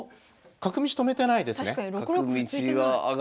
角道止めてないですね。